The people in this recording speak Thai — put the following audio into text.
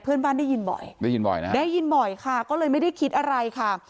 ได้ยินบ่อยได้ยินบ่อยนะได้ยินบ่อยค่ะก็เลยไม่ได้คิดอะไรค่ะ